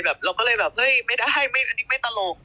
เราก็เลยแบบไม่ได้ไม่ตลก